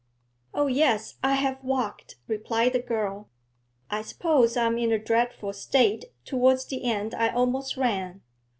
'Oh yes, I have walked,' replied the girl. 'I suppose I'm in a dreadful state; towards the end I almost ran.